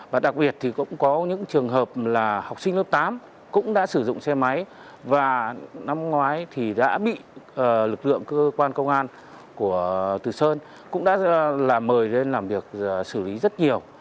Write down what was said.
và đặc biệt thì cũng có những trường hợp là học sinh lớp tám cũng đã sử dụng xe máy và năm ngoái thì đã bị lực lượng cơ quan công an của từ sơn cũng đã mời lên làm việc xử lý rất nhiều